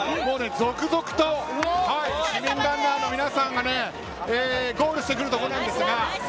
続々と市民ランナーの皆さんがゴールしてくるところです。